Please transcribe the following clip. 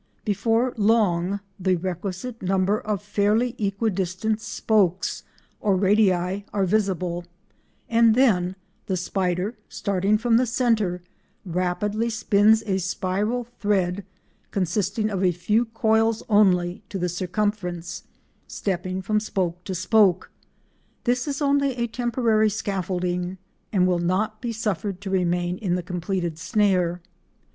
Before long the requisite number of fairly equidistant "spokes" or radii are visible, and then the spider, starting from the centre, rapidly spins a spiral thread consisting of a few coils only, to the circumference, stepping from spoke to spoke. This is only a temporary scaffolding and will not be suffered to remain in the completed snare.